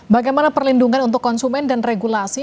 bagaimana perlindungan untuk konsumen dan regulasi